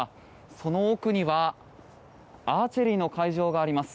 その奥にはアーチェリーの会場があります。